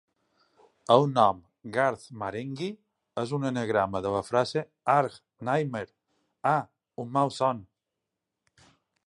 El nom "Garth Marenghi" és un anagrama de la frase "argh nightmare" (ah! un malson).